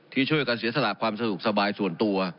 ที่ช่วยกันเสียสละความสะดวกสบายส่วนตัว